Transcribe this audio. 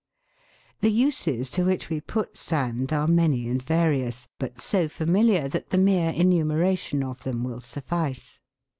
The uses to which we put sand are many and various, but so familiar that the mere enumeration of them will suffice.